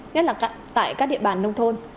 nhất là tại các địa bàn nông thôn